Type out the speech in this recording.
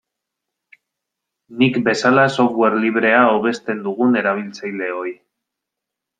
Nik bezala software librea hobesten dugun erabiltzaileoi.